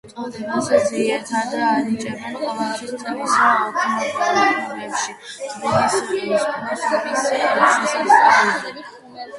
წოდებას ძირითადად ანიჭებენ ყოველი წლის ოქტომბერში „თბილისობის“ დღესასწაულზე.